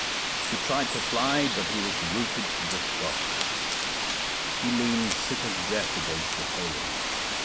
He tried to fly, but he was rooted to the spot. He leaned sick as death against the palings.